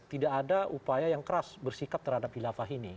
tidak ada upaya yang keras bersikap terhadap hilafah ini